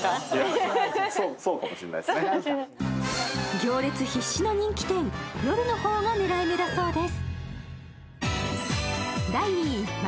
行列必至の人気店、夜の方が狙い目だそうです。